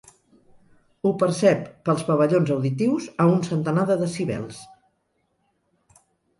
Ho percep pels pavellons auditius a un centenar de decibels.